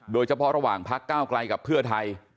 โดยเฉพาะระหว่างพักก้าวไกลกับเพื่อไทย